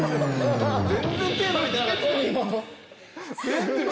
全然手伸びてなかった。